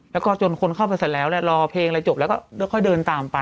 แล้วก็จนคนเข้าไปเสร็จแล้วรอเพลงอะไรจบแล้วก็ค่อยเดินตามไป